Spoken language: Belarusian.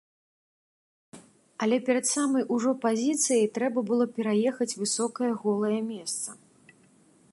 Але перад самай ужо пазіцыяй трэба было пераехаць высокае голае месца.